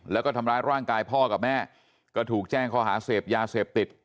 แล้วก็ทำร้ายร่างกายพ่อกับแม่ก็ถูกแจ้งข้อหาเสพยาเสพติด